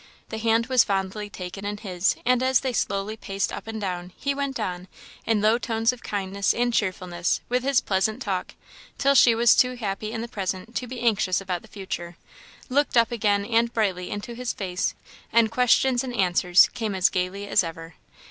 The hand was fondly taken in his; and, as they slowly paced up and down, he went on, in low tones of kindness and cheerfulness, with his pleasant talk, till she was too happy in the present to be anxious about the future looked up again and brightly into his face, and questions and answers came as gaily as ever.